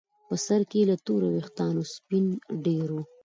په سر کې یې له تورو ویښتانو سپین ډیر وو.